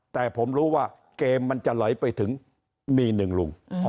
แต่ผมรู้ว่าเกมมันจะไหลไปถึงมีหนึ่งลุง